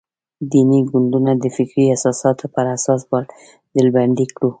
دیني ګوندونه د فکري اساساتو پر اساس ډلبندي کړو.